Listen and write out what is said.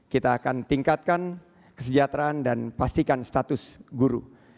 kita akan tingkatkan kesejahteraan dan pastikan status guru